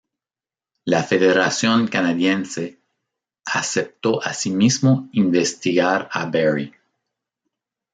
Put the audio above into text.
La Federación canadiense aceptó asimismo investigar a Barry.